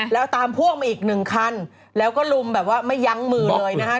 แล้วตามพ่วงมาอีกหนึ่งคันแล้วก็ลุมแบบว่าไม่ยั้งมือเลยนะฮะ